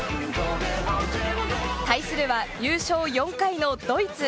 対するは優勝４回のドイツ。